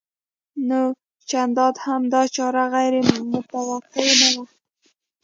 نو چندان هم دا چاره غیر متوقع نه وه